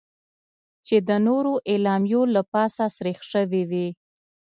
چې د نورو اعلامیو له پاسه سریښ شوې وې.